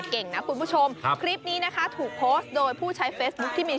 เชื่อสายรับแผนนี้